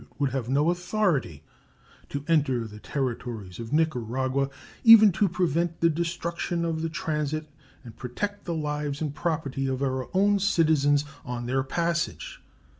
It would have no authority to enter the territories of Nicaragua even to prevent the destruction of the transit and protect the lives and property of our own citizens on their passage.